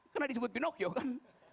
karena disebut pinokyo kan